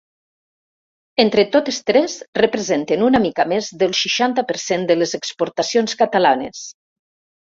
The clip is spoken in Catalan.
Entre totes tres, representen una mica més del seixanta per cent de les exportacions catalanes.